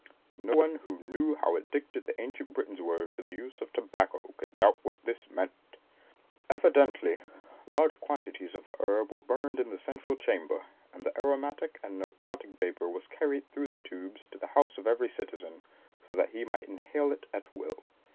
No one who knew how addicted the ancient Britons were to the use of tobacco could doubt what this meant. Evidently large quantities of the herb were burned in the central chamber, and the aromatic and narcotic vapour was carried through the tubes to the house of every citizen, so that he might inhale it at will.